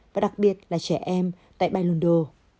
và đặc biệt là trẻ em tại baylundo